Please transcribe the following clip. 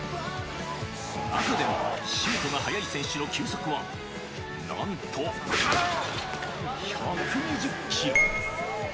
中でもシュートが速い選手の球速は、なんと１２０キロ。